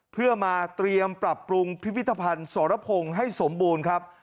เพื่อมาเตรียมปรับปรุงพิพิธภัณฑ์สรพงศ์ให้สมบูรณ์ครับ